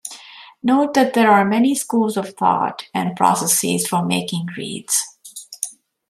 Note that there are many schools of thought and processes for making reeds.